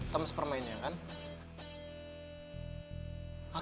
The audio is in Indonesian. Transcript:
teman permainannya bukan